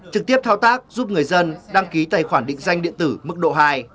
trực tiếp thao tác giúp người dân đăng ký tài khoản định danh điện tử mức độ hai